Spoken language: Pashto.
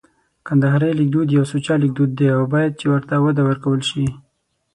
کندهارۍ لیکدود یو سوچه لیکدود دی او باید چي ورته وده ورکول سي